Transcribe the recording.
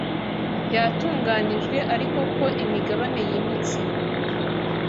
yatunganijwe ariko ko imigabane yimutse